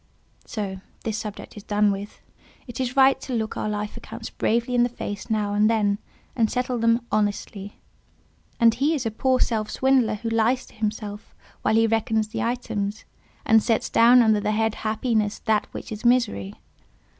So this subject is done with. It is right to look our life accounts bravely in the face now and then, and settle them honestly. And he is a poor self swindler who lies to himself while he reckons the items, and sets down under the head—happiness that which is misery.